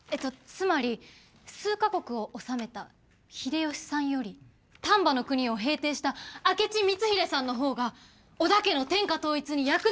つまり数か国をおさめた秀吉さんより丹波国を平定した明智光秀さんのほうが織田家の天下統一に役立つ働きであった！